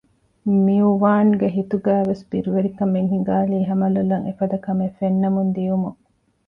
މިއުވާންގެ ހިތުގައިވެސް ބިރުވެރިކަމެއް ހިނގާލީ ހަމަލޮލަށް އެފަދަ ކަމެއް ފެންނަމުން ދިއުމުން